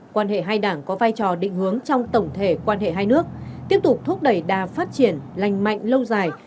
quan hệ hai đảng có vai trò định hướng trong tổng thể quan hệ hai nước tiếp tục thúc đẩy đà phát triển lành mạnh lâu dài